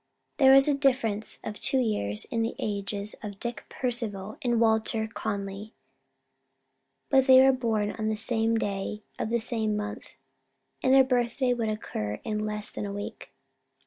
There was a difference of two years in the ages of Dick Percival and Walter Conly, but they were born on the same day of the same month, and their birthday would occur in less than a week.